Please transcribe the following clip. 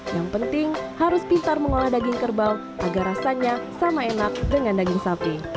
yang penting harus pintar mengolah daging kerbau agar rasanya sama enak dengan daging sapi